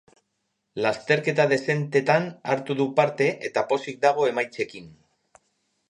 Lasterketa dexentetan hartu du parte eta pozik dago emaitzekin.